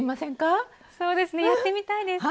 そうですねやってみたいです！